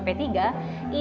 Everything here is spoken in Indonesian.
ini berhasil mengusung ayo